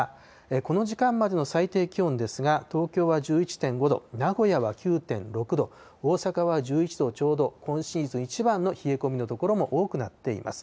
この時間までの最低気温ですが、東京は１１．５度、名古屋は９．６度、大阪は１１度ちょうど、今シーズンいちばんの冷え込みの所も多くなっています。